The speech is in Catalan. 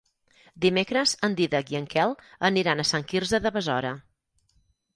Dimecres en Dídac i en Quel aniran a Sant Quirze de Besora.